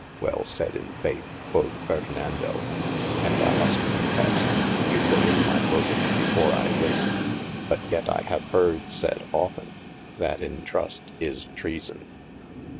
Well said in faith (quod Ferdinadd) & I must confesse, you were in my bosome before I wist : but yet I have heard said often, that in Trust is treason.